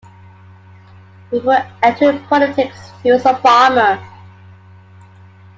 Before entering politics, he was a farmer.